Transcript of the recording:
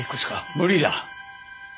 無理だ。